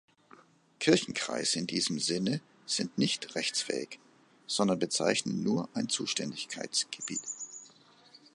Kirchenkreise in diesem Sinne sind nicht rechtsfähig, sondern bezeichnen nur ein Zuständigkeitsgebiet.